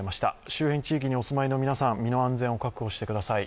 周辺地域にお住まいの皆さん、身の安全を確保してください。